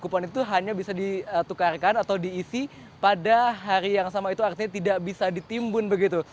kupon itu hanya bisa ditukarkan atau diisi pada hari yang sama itu artinya tidak bisa ditimbun begitu